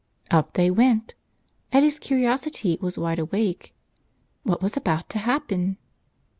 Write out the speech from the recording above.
Up they went. Eddie's curiosity was wide awake. What was about to happen?